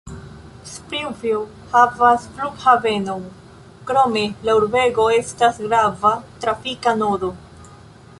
Springfield havas flughavenon, krome la urbego estas grava trafika nodo.